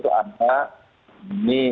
itu ada ini